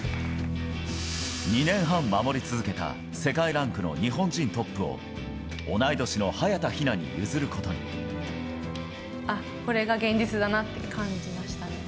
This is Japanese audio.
２年半守り続けた世界ランクの日本人トップを、同い年の早田ひなあっ、これが現実だなって感じましたね。